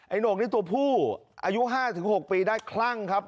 โหน่งนี่ตัวผู้อายุ๕๖ปีได้คลั่งครับ